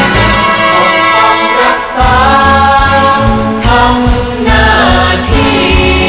ต้องรักษาทำหน้าที